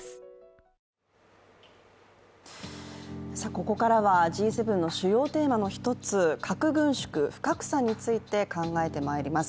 ここからはＧ７の主要テーマの一つ、核軍縮・不拡散について考えてまいります。